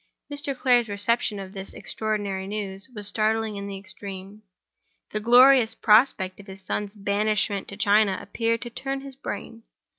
Mr. Clare's reception of this extraordinary news was startling in the extreme. The glorious prospect of his son's banishment to China appeared to turn his brain.